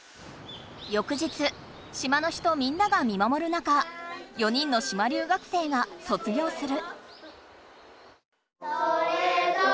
よく日島の人みんなが見まもる中４人の島留学生が卒業する。